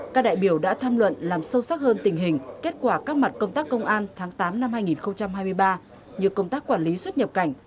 các đại biểu đã tham luận làm sâu sắc hơn tình hình kết quả các mặt công tác công an tháng tám năm hai nghìn hai mươi ba như công tác quản lý xuất nhập cảnh